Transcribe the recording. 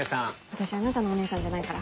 私あなたのお姉さんじゃないから。